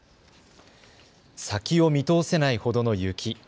先を見通せないほどの雪。